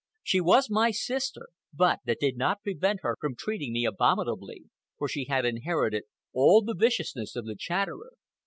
She was my sister, but that did not prevent her from treating me abominably, for she had inherited all the viciousness of the Chatterer.